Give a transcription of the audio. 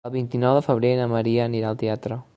El vint-i-nou de febrer na Maria anirà al teatre.